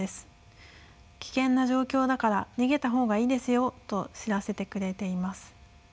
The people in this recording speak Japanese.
危険な状況だから逃げた方がいいですよと知らせてくれています。